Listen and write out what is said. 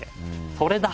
「それだ！」